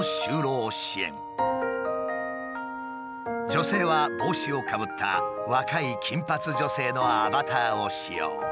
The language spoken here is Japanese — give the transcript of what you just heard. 女性は帽子をかぶった若い金髪女性のアバターを使用。